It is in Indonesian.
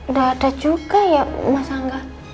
nggak ada juga ya mas angga